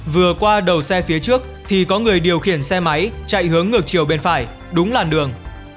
vừa qua đầu xe phía trước thì có người điều khiển xe máy chạy hướng ngược chiều bên phải đúng làn đường